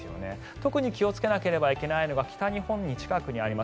特に気をつけなければいけないのが北日本近くにあります